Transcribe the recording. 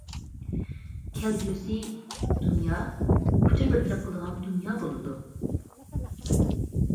كەلگۈسى دۇنيا ئۇچۇر بىر تەرەپ قىلىدىغان دۇنيا بولىدۇ.